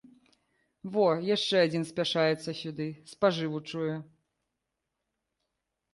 Во, яшчэ адзін спяшаецца сюды, спажыву чуе!